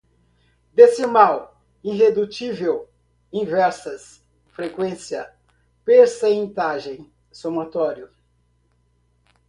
decimal, irredutível, inversas, frequência, percentagem, somatório